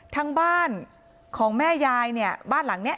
ทั้งบ้านของแม่ยายเนี่ยบ้านหลังนี้